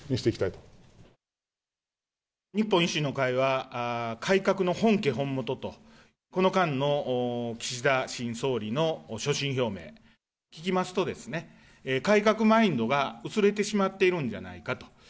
日本維新の会は、改革の本家本元と、この間の岸田新総理の所信表明、聞きますと、改革マインドが薄れてしまっているんじゃないかと。